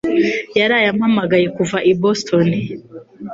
yaraye ampamagaye kuva i Boston.